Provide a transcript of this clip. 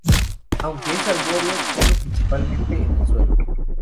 Aunque es arbóreo, come principalmente en el suelo.